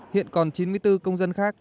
hiện còn chín mươi bốn công dân khác